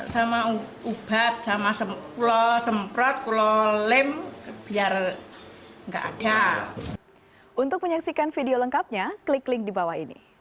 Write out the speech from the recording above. sama ubat sama kulo semprot pulau lem biar enggak ada